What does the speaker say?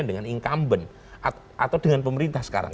sebenarnya dia diposisikan dengan incumbent atau dengan pemerintah sekarang